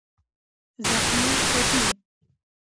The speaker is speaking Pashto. زخمي √ ټپي